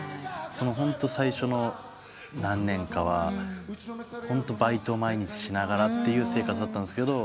ホント最初の何年かはバイトを毎日しながらって生活だったんですけど。